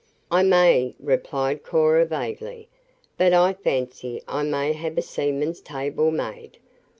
"I may," replied Cora vaguely. "But I fancy I may have a seaman's table made.